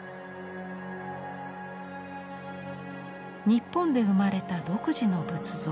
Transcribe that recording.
日本で生まれた独自の仏像。